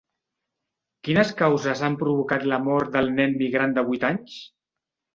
Quines causes han provocat la mort del nen migrant de vuit anys?